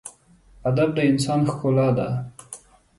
ادب د انسان ښکلا ده.